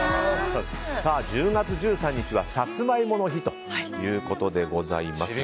１０月１３日はさつまいもの日ということでございます。